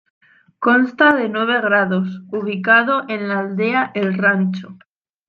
Consta de nueve grados.ubicado en la aldea El Rancho.